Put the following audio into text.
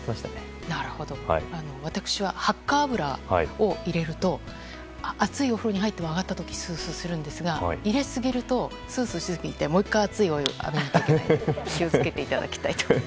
私は、はっか油を入れると熱いお風呂に入っても上がったあとにスースーするんですが入れすぎるとスースーしすぎてもう１回熱いお湯を浴びなきゃいけないという。